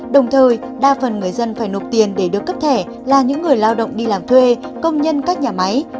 đồng thời đa phần người dân phải nộp tiền để được cấp thẻ là những người lao động đi làm thuê công nhân các nhà máy